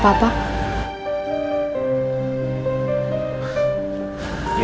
saya keluar duluan ya om ya